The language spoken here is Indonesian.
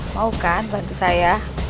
pak wayu mau kan bantu saya